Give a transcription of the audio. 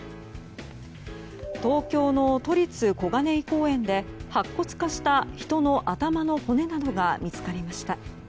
東京の都立小金井公園で白骨化した人の頭の骨などが見つかりました。